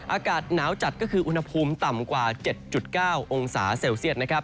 อากาศหนาวจัดก็คืออุณหภูมิต่ำกว่า๗๙องศาเซลเซียตนะครับ